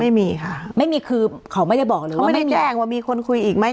ไม่มีค่ะไม่มีคือเขาไม่ได้บอกเลยเขาไม่ได้แจ้งว่ามีคนคุยอีกไหม